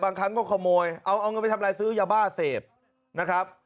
บางครั้งก็ขโมยเอาเงินไปทำอะไรซื้อยาบ้าเสพนะครับ